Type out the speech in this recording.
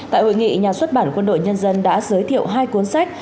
tại hội nghị nhà xuất bản quân đội nhân dân đã giới thiệu hai cuốn sách